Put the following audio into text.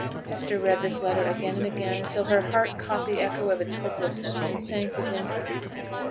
Hester read this letter again and again, till her heart caught the echo of its hopelessness, and sank within her.